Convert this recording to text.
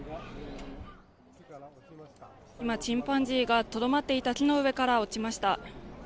今、チンパンジーがとどまっていた木の上から落ちました。